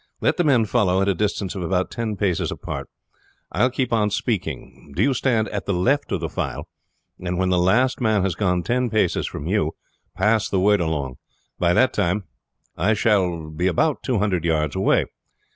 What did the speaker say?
Let the men follow at a distance of about ten paces apart. I will keep on speaking. Do you stand at the left of the file, and when the last man has gone ten paces from you pass the word along. By that time I shall be about two hundred yards away.